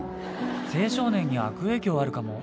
青少年に悪影響あるかも。